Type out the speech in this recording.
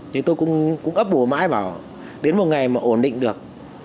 thế tôi cũng ấp bù mãi vào đến một ngày mà ổn định được